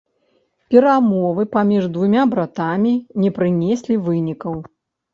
Перамовы паміж двума братамі не прынеслі вынікаў.